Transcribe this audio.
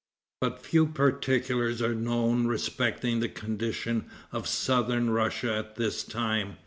But few particulars are known respecting the condition of southern Russia at this time.